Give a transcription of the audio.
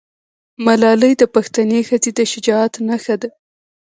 ملالۍ د پښتنې ښځې د شجاعت نښه ده.